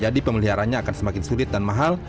jadi pemeliharannya akan semakin sulit dan mahal